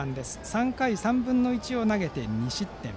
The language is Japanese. ３回３分の１を投げて２失点。